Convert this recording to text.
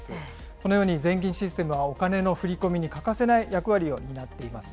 このように、全銀システムはお金の振り込みに欠かせない役割を担っています。